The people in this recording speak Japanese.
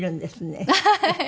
アハハハ。